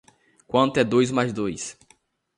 Quanto é dois mais dois?